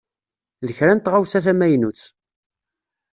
D kra n taɣawsa tamynut.